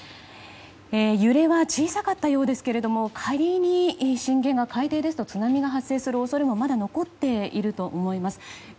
揺れは小さかったようですが仮に震源が海底ですと津波が発生する恐れもまだ残っていると思います。